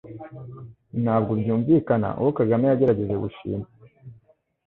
Ntabwo byumvikana uwo Kagame yagerageje gushimisha